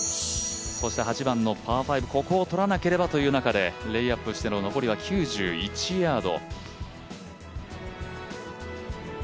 ８番のパー５ここをとらなければという中でレイアップしての上りは９１ヤード。